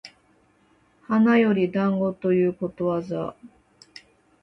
花より団子ということわざ